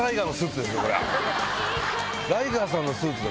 ライガーさんのスーツだ。